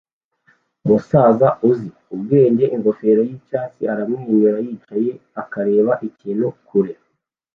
Umusaza uzi ubwenge ingofero nicyatsi aramwenyura yicaye akareba ikintu kure